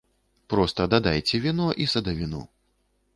Проста дадайце віно і садавіну.